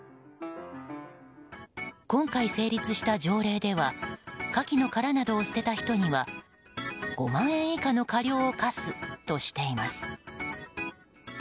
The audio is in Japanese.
今回成立した条例ではカキの殻などを捨てた人には５万円以下の過料を科すとしています。